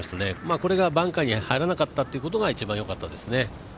これがバンカーに入らなかったことが一番良かったですね。